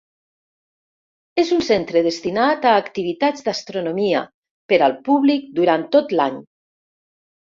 És un centre destinat a activitats d'astronomia per al públic durant tot l'any.